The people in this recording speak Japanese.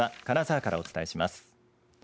金沢からお伝えします。